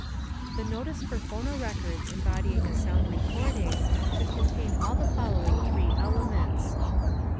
The notice for phonorecords embodying a sound recording should contain all the following three elements: 1.